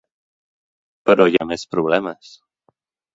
Però hi ha més problemes.